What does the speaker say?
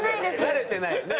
慣れてないよね。